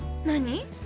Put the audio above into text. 何？